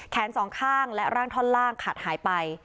สองข้างและร่างท่อนล่างขาดหายไป